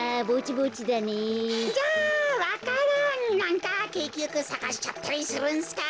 じゃあわか蘭なんかけいきよくさかしちゃったりするんすか？